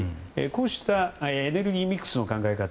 こうしたエネルギーミックスの考え方